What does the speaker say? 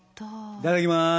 いただきます。